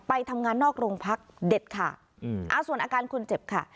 ไปทำงานนอกโรงพักษณ์เด็ดค่ะอ่าส่วนอาการคุณเจ็บค่ะ